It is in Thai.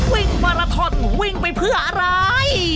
วิ่งมาราธน์หรือวิ่งไปเพื่ออะไร